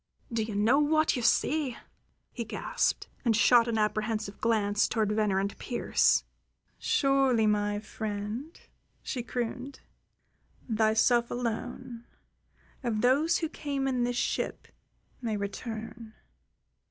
"Do you know what you say?" he gasped, and shot an apprehensive glance toward Venner and Pearse. "Surely, my friend," she crooned. "Thyself alone, of those who came in this ship, may return.